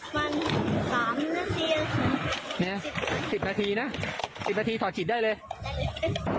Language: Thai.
มันสามนาทีค่ะนะสิบนาทีนะสิบนาทีถอดฉีดได้เลย